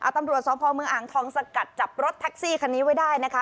ตำรวจสพเมืองอ่างทองสกัดจับรถแท็กซี่คันนี้ไว้ได้นะคะ